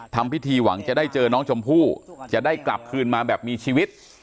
ทำพิธีหวังจะได้เจอน้องชมพู่จะได้กลับคืนมาแบบมีชีวิต